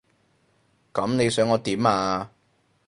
噉你想我點啊？